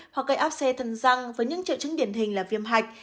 hoặc gây áp xe thần răng với những triệu chứng điển hình là viêm hạch